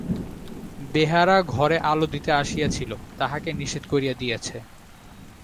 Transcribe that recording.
বেহারা ঘরে আলো দিতে আসিয়াছিল তাহাকে নিষেধ করিয়া দিয়াছে।